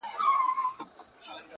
د دوى په نيت ورسره نه اوسيږو,